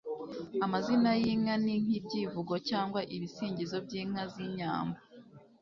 Amazina y'inka ni nk'ibyivugo cyangwa ibisingizo by'inka z'inyambo.